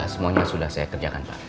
semuanya sudah saya kerjakan pak